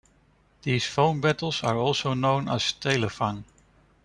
These phone battles are also known as Telefang.